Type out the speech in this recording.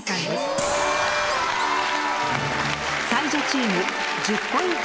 才女チーム１０ポイント